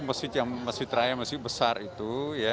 masjid raya masih besar itu